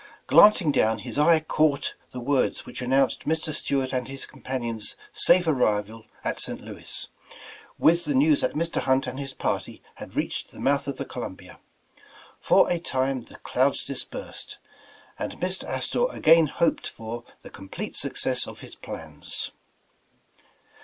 Glancing down, his eye caught the words which announced Mr. Stuart and his compan ion's safe arrival at St. Louis, with the news that Mr. Hunt and his party had reached the mouth of the Co lumbia. For a time the clouds dispersed, and Mr. Astor again hoped for the complete success of his plans.